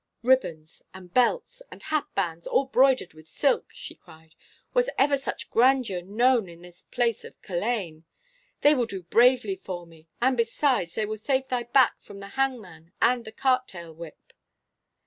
'Ribbons—and belts—and hatbands, all broidered with silk!' she cried. 'Was ever such grandeur known in this place of Culzean? They will do bravely for me, and besides they will save thy back from the hangman and the cart tail whip.